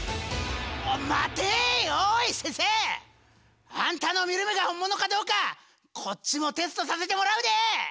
おい待てい！おい先生！あんたの見る目が本物かどうかこっちもテストさせてもらうで！